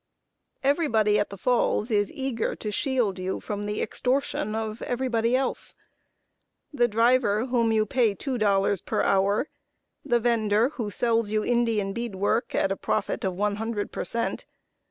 Everybody at the Falls is eager to shield you from the extortion of everybody else. The driver, whom you pay two dollars per hour; the vender, who sells you Indian bead work at a profit of one hundred per cent.